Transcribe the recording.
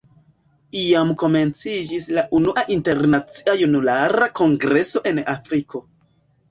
Jam komenciĝis la unua Internacia Junulara Kongreso en Afriko.